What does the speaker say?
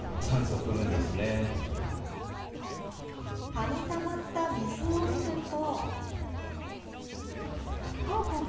葉にたまった水を見ると。